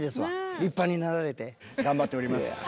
立派になられて。頑張っております。